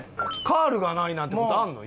カールがないなんて事あるの？